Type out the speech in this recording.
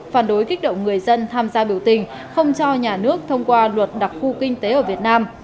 phản đối kích động người dân tham gia biểu tình không cho nhà nước thông qua luật đặc khu kinh tế ở việt nam